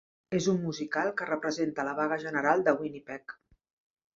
és un musical que representa la vaga general de Winnipeg.